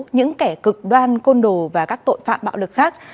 những kẻ cực đoan côn đồ và các tội phạm bạo lực khác